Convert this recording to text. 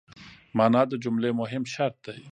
مانا د جملې مهم شرط دئ.